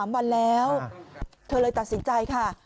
๓วันแล้วเธอเลยตัดสินใจค่ะ